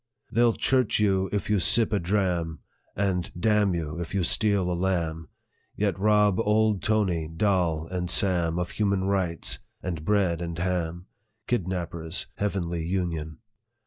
" They '11 church you if you sip a dram, And damn you if you steal a lamb ; Yet rob old Tony, Doll, and Sam, Of human rights, and bread and ham; Kidnapper's heavenly union.